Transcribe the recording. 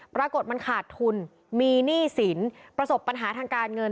ปรากฏมันขาดทุนมีหนี้สินประสบปัญหาทางการเงิน